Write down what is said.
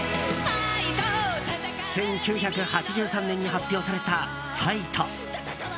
１９８３年に発表された「ファイト！」。